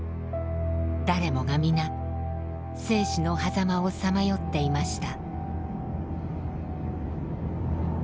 誰もが皆生死のはざまをさまよっていました。